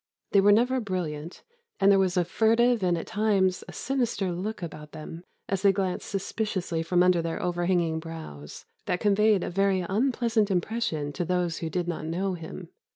They were never brilliant, and there was a furtive and at times a sinister look about them, as they glanced suspiciously from under their overhanging brows, that conveyed a very unpleasant impression to those who did not know him.